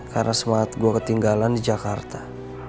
karena semangat gua ketinggalan di jakarta